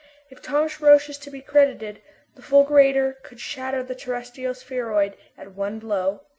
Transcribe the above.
If Thomas Roch is to be credited, this fulgurator could shatter the terrestrial spheroid at one blow.